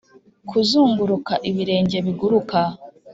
kuzunguruka ibirenge biguruka